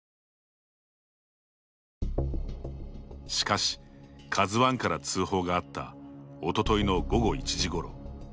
しかし、ＫＡＺＵ１から通報があったおとといの午後１時ごろ。